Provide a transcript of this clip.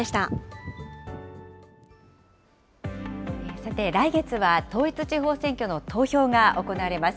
さて、来月は統一地方選挙の投票が行われます。